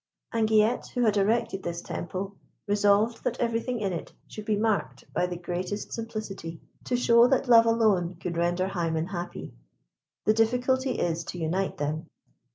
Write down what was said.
Anguillette, who had erected this temple, resolved that everything in it should be marked by the greatest simplicity, to show that love alone could render Hymen happy. The difficulty is to unite them.